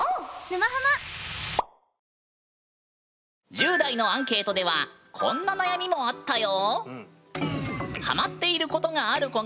１０代のアンケートではこんな悩みもあったよ。